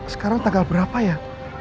sekarang tanggal berapa ya